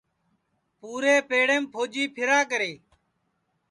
پُورے پیڑیم پھوجی پھیرا کرے